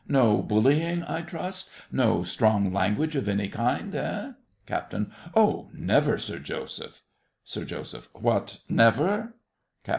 No bullying, I trust—no strong language of any kind, eh? CAPT. Oh, never, Sir Joseph. SIR JOSEPH. What, never? CAPT.